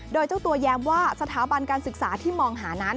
โดยเจ้าตัวแย้มว่าสถาบันการศึกษาที่มองหานั้น